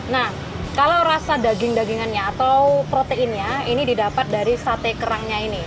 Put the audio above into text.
nah kalau rasa daging dagingannya atau proteinnya ini didapat dari sate kerangnya ini